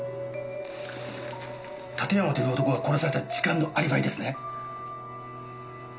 館山という男が殺された時間のアリバイですね！